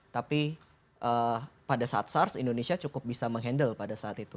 tapi pada saat sars indonesia cukup bisa menghandle pada saat itu